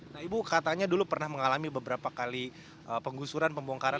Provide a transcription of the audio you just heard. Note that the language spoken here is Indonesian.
nah ibu katanya dulu pernah mengalami beberapa kali penggusuran pembongkaran